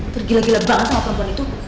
tergila gila banget sama perempuan itu